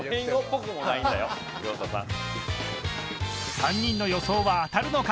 ３人の予想は当たるのか。